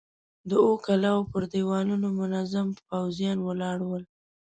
د اوو کلاوو پر دېوالونو منظم پوځيان ولاړ ول.